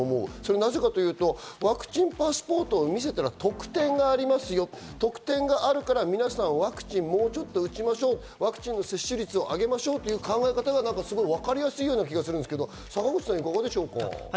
なぜかというとワクチンパスポートを見せたら特典がありますよ、特典があるから皆さん、ワクチンをもうちょっと打ちましょう、ワクチンの接種率を上げましょうという考えが分かりやすい気がするんですけど、坂口さんいかがですか？